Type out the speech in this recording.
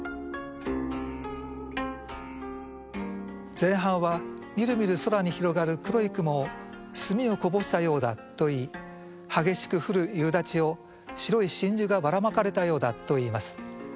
前半はみるみる空に広がる黒い雲を墨をこぼしたようだといい激しく降る夕立を白い真珠がばらまかれたようだといいます。